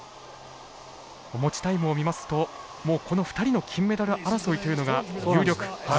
持ちタイムを見ますともうこの２人の金メダル争いというのが有力。